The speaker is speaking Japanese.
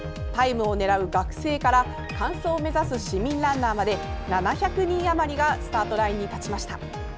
タイムを狙う学生から完走を目指す市民ランナーまで７００人あまりがスタートラインに立ちました。